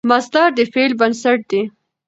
مصدر د فعل بنسټ دئ.